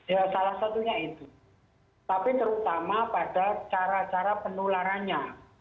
ya salah satunya itu tapi terutama pada cara cara penularannya